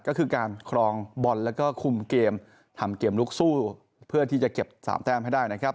ก็คือการครองบอลแล้วก็คุมเกมทำเกมลุกสู้เพื่อที่จะเก็บ๓แต้มให้ได้นะครับ